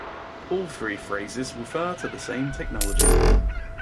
All three phrases refer to the same technology.